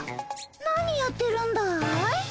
何やってるんだい？